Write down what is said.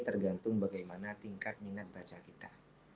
tergantung bagaimana tingkat minat baca kita